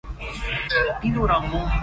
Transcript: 大打出手